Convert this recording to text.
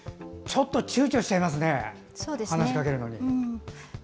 ちょっとちゅうちょしちゃいます話しかけるのに。